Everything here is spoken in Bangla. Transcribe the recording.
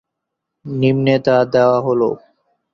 নিম্নে তা দেওয়া হলো-